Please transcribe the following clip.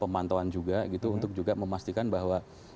pemantauan juga gitu untuk juga memastikan bahwa